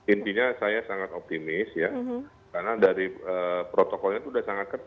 intinya saya sangat optimis ya karena dari protokolnya itu sudah sangat ketat